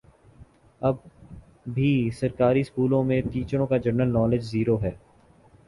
اب بھی سرکاری سکولوں میں ٹیچروں کا جنرل نالج زیرو ہے